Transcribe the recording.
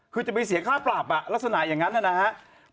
คือจะไปเสียค่าปรับลักษณะอย่างนั้นนะครับ